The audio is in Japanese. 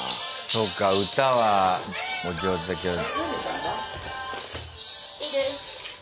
そうか歌はお上手だけど。